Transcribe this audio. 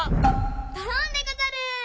ドロンでござる。